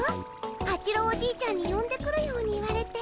八郎おじいちゃんによんでくるように言われて。